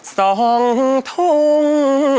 สองทง